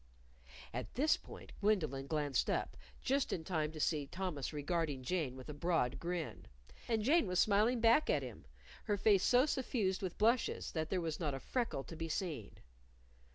At this point, Gwendolyn glanced up just in time to see Thomas regarding Jane with a broad grin. And Jane was smiling back at him, her face so suffused with blushes that there was not a freckle to be seen.